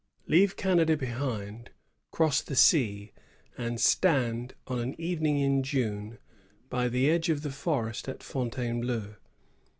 Leave Canada behind; cross the sea, and stand, on an evening in June, by the edge of the forest of Fontainebleau.